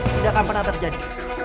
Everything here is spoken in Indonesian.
tidak akan pernah terjadi